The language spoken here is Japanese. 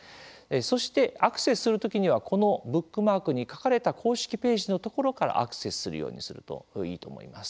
そして、アクセスする時にはこの「ブックマーク」に書かれた公式ページのところからアクセスするようにするといいと思います。